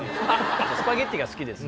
じゃスパゲッティが好きです